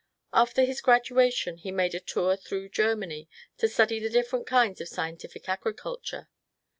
After his graduation he made a tour through Germany, to study the different kinds of scientific agriculture.